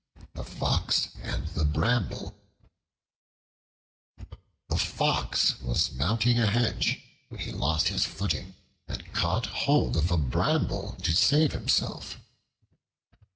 The Fox and the Bramble A FOX was mounting a hedge when he lost his footing and caught hold of a Bramble to save himself.